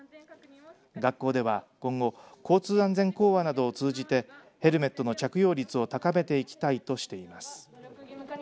学校では今後交通安全講話などを通じてヘルメットの着用率を高めていきたいとしています。